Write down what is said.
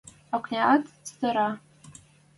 Окняат цӹтӹрӓ: